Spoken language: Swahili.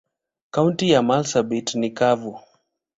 Kaunti ya marsabit ni kavu.